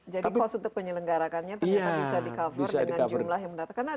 jadi cost untuk penyelenggarakannya ternyata bisa di cover dengan jumlah yang mendaftarkan